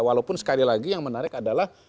walaupun sekali lagi yang menarik adalah